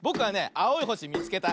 あおいほしみつけた。